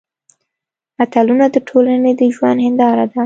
متلونه د ټولنې د ژوند هېنداره ده